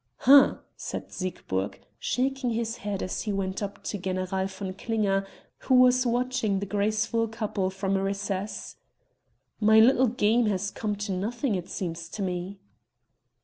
"Hm!" said Siegburg, shaking his head as he went up to General von Klinger who was watching the graceful couple from a recess, "my little game has come to nothing it seems to me."